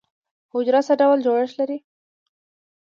حجره څه ډول جوړښت لري؟